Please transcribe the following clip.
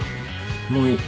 もういい。